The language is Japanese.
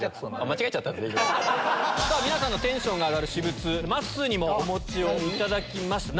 皆さんのテンションが上がる私物まっすーもお持ちいただきました。